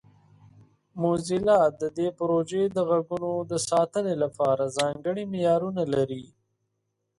موزیلا د دې پروژې د غږونو د ساتنې لپاره ځانګړي معیارونه لري.